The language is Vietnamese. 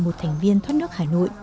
một thành viên thoát nước hà nội